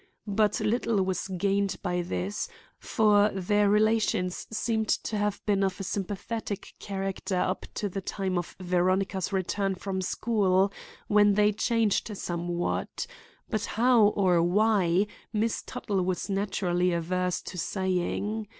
But little was gained by this, for their relations seemed to have been of a sympathetic character up to the time of Veronica's return from school, when they changed somewhat; but how or why, Miss Tuttle was naturally averse to saying.